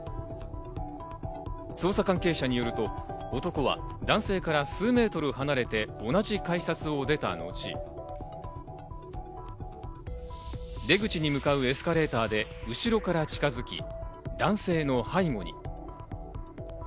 捜査関係者によると男は、男性から数ｍ離れて同じ改札を出た後、出口に向かうエスカレーターで後ろから近づき、男性の背後に。